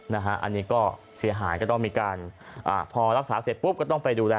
นะฮะอันนี้ก็เสียหายก็ต้องมีการอ่าพอรักษาเสร็จปุ๊บก็ต้องไปดูแล